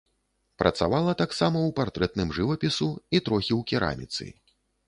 Працавала таксама ў партрэтным жывапісу і трохі ў кераміцы.